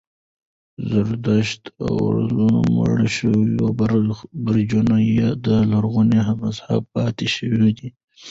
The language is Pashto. زردشت اورونه مړه شوي وو، برجونه یې د لرغوني مذهب پاتې شوني و.